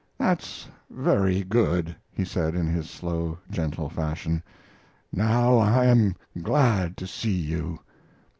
"That's very good," he said, in his slow, gentle fashion. "Now I'm glad to see you."